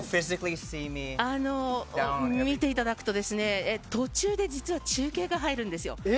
見ていただくと途中で中継が入るんですよ。